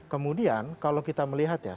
kemudian kalau kita melihat ya